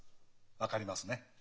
分かりますね？